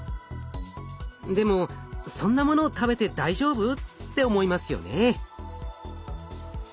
でも「そんなものを食べて大丈夫？」って思いますよね。